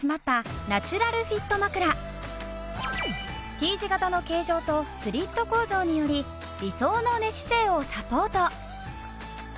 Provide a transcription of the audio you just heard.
Ｔ字形の形状とスリット構造により理想の寝姿勢をサポート。